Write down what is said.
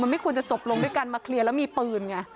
ไม่ควรจะจบลงด้วยกันมาเคลียร์แล้วมีปืนไง